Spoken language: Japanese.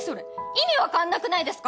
意味わかんなくないですか？